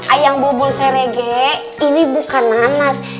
ayam bubul serege ini bukan nanas